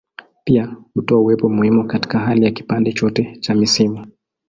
Pia hutoa uwepo muhimu katika hali ya kipande chote cha misimu.